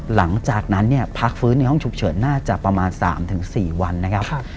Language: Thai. หลังจากนั้นเนี่ยพักฟื้นในห้องฉุกเฉินน่าจะประมาณ๓๔วันนะครับ